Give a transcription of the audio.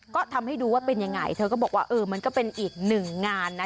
ก็ทำให้ดูว่าเป็นยังไงเธอก็บอกว่าเออมันก็เป็นอีกหนึ่งงานนะ